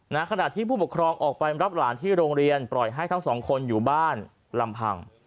ขณะที่ผู้ปกครองออกไปรับหลานที่โรงเรียนปล่อยให้ทั้งสองคนอยู่บ้านลำพัง